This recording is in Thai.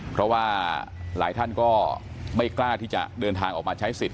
เพราะว่าหลายท่านก็ไม่กล้าที่จะเดินทางออกมาใช้สิทธิ